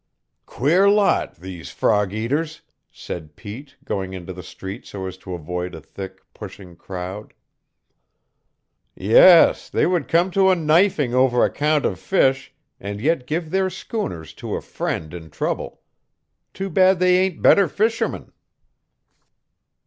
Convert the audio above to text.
"Queer lot, these frog eaters," said Pete, going into the street so as to avoid a thick, pushing crowd. "Yes, they would come to a knifing over a count of fish and yet give their schooners to a friend in trouble. Too bad they ain't better fishermen."